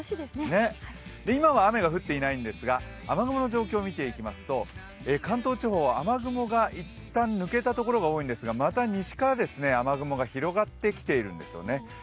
今は雨が降っていないんですが雨雲の状況見ていきますと関東地方は雨雲がいったん抜けたところが多いんですがまた西から雨雲が広がってきてるんですよね。